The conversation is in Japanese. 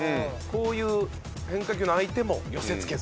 こういう変化球の相手も寄せつけず。